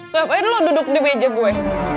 ngapain lo duduk di meja gue